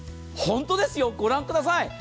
ホントですよ、ご覧ください。